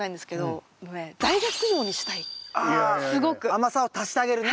甘さを足してあげるね